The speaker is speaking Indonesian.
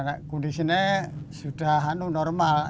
ya kondisinya sudah normal